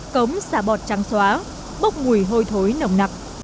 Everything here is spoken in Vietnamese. cống xả bọt trắng xóa bốc mùi hôi thối nồng nặc